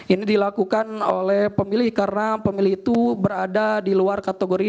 ini dilakukan oleh pemilih karena pemilih itu berada di luar kategori